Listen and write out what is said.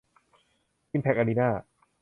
อิมแพ็คอารีน่า